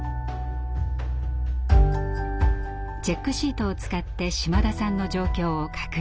チェックシートを使って島田さんの状況を確認。